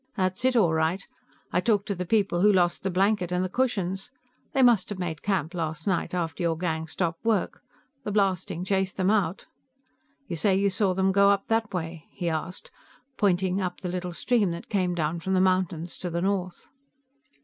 "That's it, all right. I talked to the people who lost the blanket and the cushions. They must have made camp last night, after your gang stopped work; the blasting chased them out. You say you saw them go up that way?" he asked, pointing up the little stream that came down from the mountains to the north.